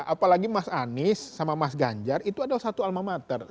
apalagi mas anies sama mas ganjar itu adalah satu alma mater